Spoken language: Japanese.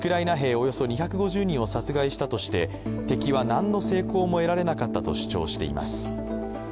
およそ２５０人を殺害したとして敵は何の成功も得られなかったと主張しています。